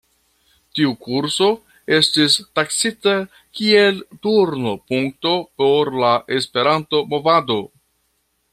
Tiu kurso estis taksita kiel turno-punkto por la Esperanto-movado.